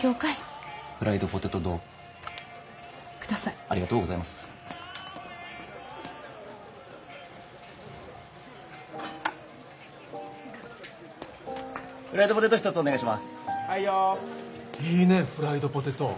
いいねフライドポテト。